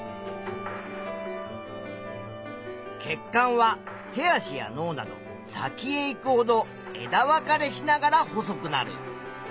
血管は手足や脳など先へ行くほど枝分かれしながら細くなる。